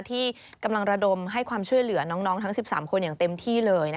ที่กำลังระดมให้ความช่วยเหลือน้องทั้ง๑๓คนอย่างเต็มที่เลย